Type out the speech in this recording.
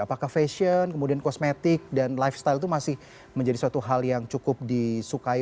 apakah fashion kemudian kosmetik dan lifestyle itu masih menjadi suatu hal yang cukup disukai